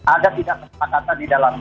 ada tidak kesepakatan di dalam